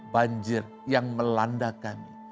banjir yang melanda kami